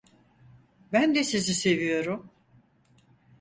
Ben de sizi seviyorum.